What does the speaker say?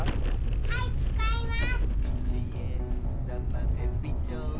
はいつかいます。